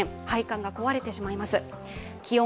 配管が壊れてしまいます。